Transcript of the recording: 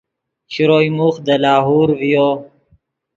شروئے موخ دے لاہور ڤیو